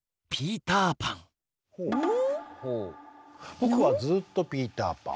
「僕はずーっとピーターパン」。